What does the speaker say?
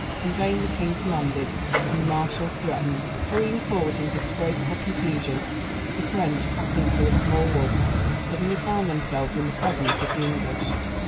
In vain the king commanded, and the marshals threatened; hurrying forward in disgraceful confusion, the French, passing through a small wood, suddenly found themselves in the presence of the English.